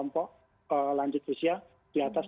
kok lansia di atas enam puluh